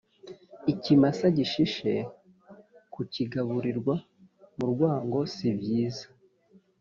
ikimasa gishishe ku kigaburirwa mu rwango si byiza